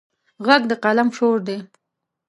غږ د قلم شور دی